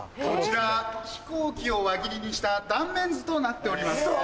こちら飛行機を輪切りにした断面図となっております。